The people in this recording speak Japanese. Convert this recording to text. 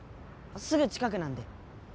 すぐ近くなんで。